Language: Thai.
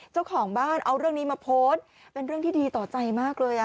เจ้าของบ้านเอาเรื่องนี้มาโพสต์เป็นเรื่องที่ดีต่อใจมากเลย